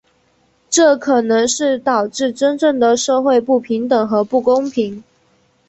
这可能导致真正的社会不平等和不公正。